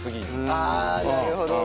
ああなるほどね。